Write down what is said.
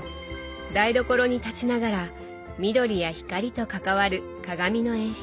台所に立ちながら緑や光と関わる鏡の演出。